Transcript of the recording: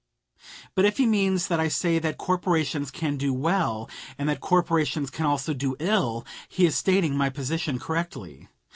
But if he means that I say that corporations can do well, and that corporations can also do ill, he is stating my position correctly.